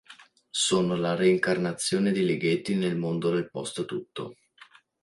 Sono la reincarnazione di Ligeti nel mondo del post tutto.